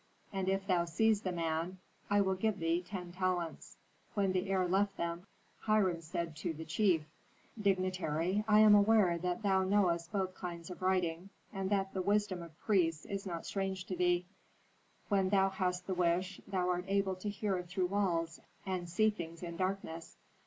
And if thou seize the man, I will give thee ten talents." When the heir left them, Hiram said to the chief, "Dignitary, I am aware that thou knowest both kinds of writing, and that the wisdom of priests is not strange to thee. When thou hast the wish, thou art able to hear through walls and see things in darkness.